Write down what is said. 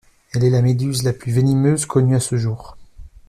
Elle est la méduse la plus venimeuse connue à ce jour.